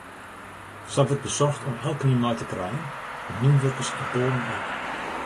Sa wurdt besocht om elkenien mei te krijen, de mynwurkers yn Poalen ek.